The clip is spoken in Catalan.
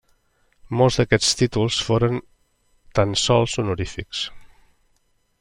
Molts d'aquests títols foren tan sols honorífics.